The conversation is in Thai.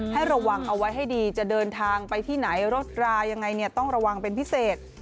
ให้ระวังเอาไว้ให้ดีจะเดินทางไปที่ไหนรถรายังไงเนี่ยต้องระวังเป็นพิเศษ